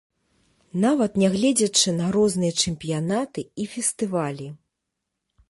Нават нягледзячы на розныя чэмпіянаты і фестывалі.